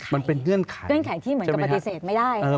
มันเป็นเงื่อนไขเงื่อนไขที่เหมือนกับปฏิเสธไม่ได้